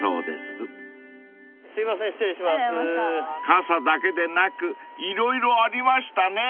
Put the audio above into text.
［傘だけでなく色々ありましたね］